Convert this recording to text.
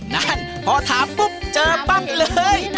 นั่นพอถามปุ๊บเจอปั๊บเลย